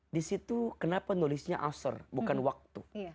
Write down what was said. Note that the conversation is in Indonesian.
di situ kenapa nulisnya aser bukan waktu